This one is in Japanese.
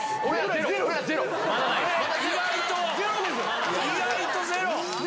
意外とゼロ！